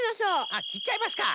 あっきっちゃいますか。